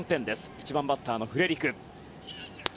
１番バッターのフレリク。